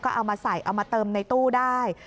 เอามาใส่เอามาเติมในตู้ได้